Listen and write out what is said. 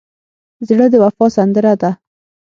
زړه د وفا سندره ده.